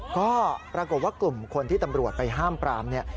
ก็ปรากฏว่ากลุ่มคนที่ตำรวจไปห้ามปรามเนี่ย